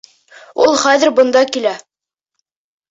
Ул хәҙер бында килә.